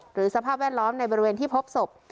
สภาพแวดล้อมในบริเวณที่พบศพ